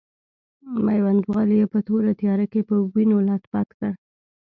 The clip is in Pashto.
میوندوال یې په توره تیاره کې په وینو لت پت کړ.